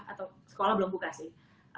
atau sekolah belum buka sih